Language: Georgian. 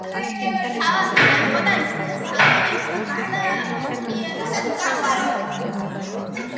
ქალაქი აიღო და იზიასლავი ისევ გახდა კიევის მთავარი.